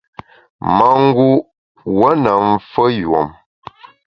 Mangu’ wuon na mfeyùom.